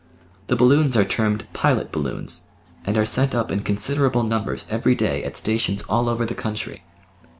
The balloons are termed "pilot balloons," and are sent up in considerable numbers every day at stations all over the country.